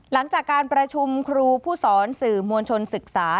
หลังจากการประชุมครูผู้สอนสื่อมวลชนศึกษา